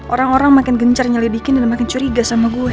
orang orang makin gencar nyelidikin dan makin curiga sama gue